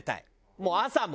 もう朝も。